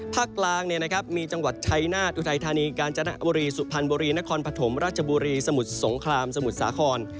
กลางมีจังหวัดชัยนาธอุทัยธานีกาญจนบุรีสุพรรณบุรีนครปฐมราชบุรีสมุทรสงครามสมุทรสาคร